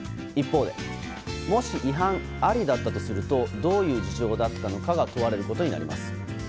一方でもし違反ありだったとするとどういう事情だったのかが問われることになります。